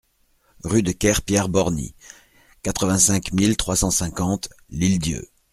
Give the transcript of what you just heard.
Rue de Ker Pierre Borny, quatre-vingt-cinq mille trois cent cinquante L'Île-d'Yeu